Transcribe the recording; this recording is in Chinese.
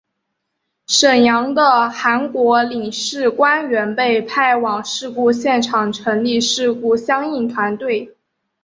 沈阳的韩国领事官员被派往事故现场成立事故相应团队。